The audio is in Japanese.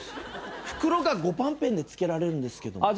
袋が５パンペンで付けられるんですけど。